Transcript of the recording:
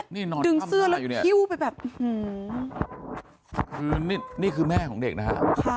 นี่นอนข้ำหน้าอยู่เนี่ยนี่คือแม่ของเด็กนะฮะ